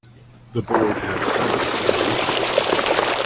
The board has several committees.